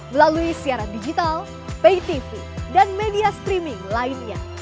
melalui siaran digital pay tv dan media streaming lainnya